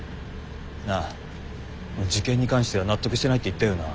なあ受験に関しては納得してないって言ったよな。